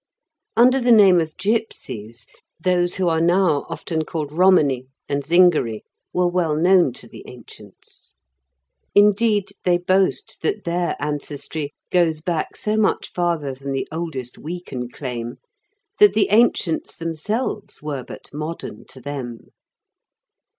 Under the name of gipsies, those who are now often called Romany and Zingari were well known to the ancients. Indeed, they boast that their ancestry goes back so much farther than the oldest we can claim, that the ancients themselves were but modern to them.